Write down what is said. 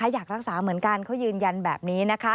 อยากรักษาเหมือนกันเขายืนยันแบบนี้